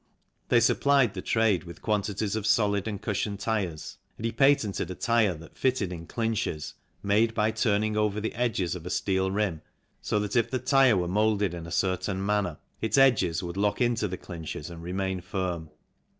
They supplied the trade with quantities of solid and cushion tyres and he patented a tyre that fitted in clinches made by turning over the edges of a steel rim, so that if the tyre were moulded in a certain manner its edges would lock into the clinches and remain firm.